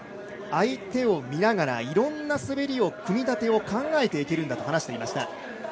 相手を見ながらいろんな滑りの組み立てを考えていけるんだと話していました。